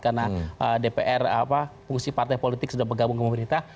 karena dpr fungsi partai politik sudah bergabung ke pemerintah